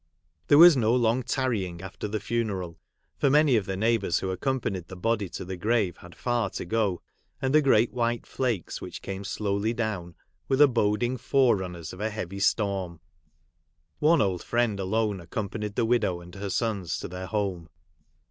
There was no long tarrying after the funeral, for many of the neighbours who accompanied the body to the frave had far to go, and the great white akes which came slowly down, were the boding fore runners of a heavy storm. One old friend alone accompanied the widow and her sons to their home.